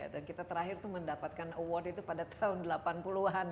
dan kita terakhir mendapatkan award itu pada tahun delapan puluh an